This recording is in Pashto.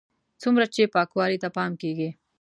څومره چې پاکوالي ته پام کېږي.